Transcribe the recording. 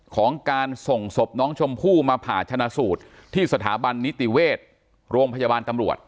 ของการส่งศพน้องชมพู่มาผ่าชนะสูตรที่สถาบันนิติเวชโรงพยาบาลตำรวจ